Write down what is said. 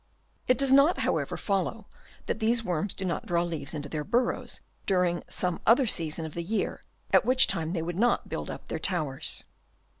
It does not, however, follow that these worms do not draw leaves into their burrows during some other season of the year, at which time they would not build up their towers.